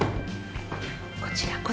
こちらこそ。